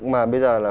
mà bây giờ là